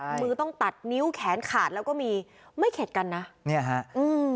มือต้องตัดนิ้วแขนขาดแล้วก็มีไม่เข็ดกันนะเนี่ยฮะอืม